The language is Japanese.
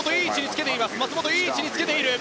松元いい位置につけています。